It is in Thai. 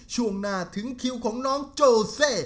ช่วงหน้าถึงคิวของน้องโจเซ